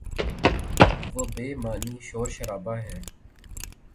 وہ بے معنی شور شرابہ ہے۔